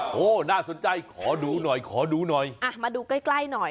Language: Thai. โอ้โหน่าสนใจขอดูหน่อยขอดูหน่อยอ่ะมาดูใกล้ใกล้หน่อย